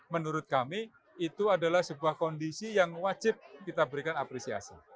menurut kami itu adalah sebuah kondisi yang wajib kita berikan apresiasi